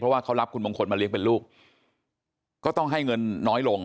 ว่าเขารับคุณมงคลมาเลี้ยงเป็นลูกก็ต้องให้เงินน้อยลง